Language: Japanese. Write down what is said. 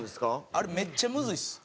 あれめっちゃむずいです。